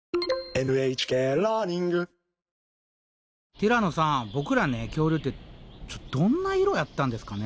ティラノさんボクら恐竜ってどんな色やったんですかね？